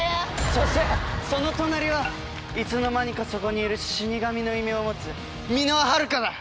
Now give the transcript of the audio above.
そしてその隣は「いつの間にかそこにいる死神」の異名を持つ箕輪はるかだ！